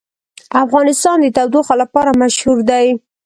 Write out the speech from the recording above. افغانستان د تودوخه لپاره مشهور دی.